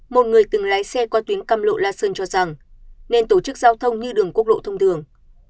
một người từng lái xe qua tuyến cam lộ la sơn cho rằng nên tổ chức giao thông như đường quốc lộ thông thường